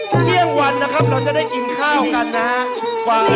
เมื่อไหร่จะเดินถึงอ่ะ